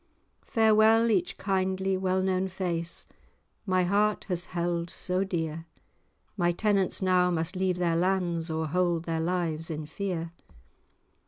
[#] Farewell each kindly well known face, My heart has held so dear: My tenants now must leave their lands, Or hold their lives in fear.